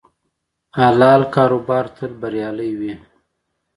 حلال کاروبار تل بریالی وي.